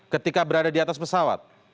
ketika berada di atas pesawat